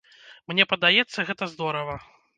Мне падаецца, гэта здорава.